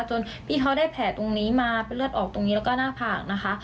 จนพี่เขาได้แผลตรงนี้มาเป็นเลือดออกตรงนี้แล้วก็หน้าผากนะคะ